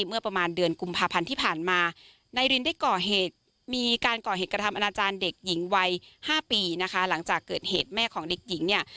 สภคกกตูมด้วย